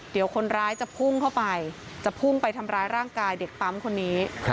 เดี๋ยวคนร้ายจะพุ่งเข้าไปจะพุ่งไปทำร้ายร่างกายเด็กปั๊มคนนี้